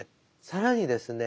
更にですね